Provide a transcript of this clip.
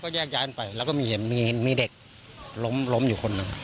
มันก็แยกย้ายออกไปแล้วก็มีเห็นมีเด็กล้มล้มอยู่คนหนึ่ง